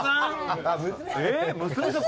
娘さん？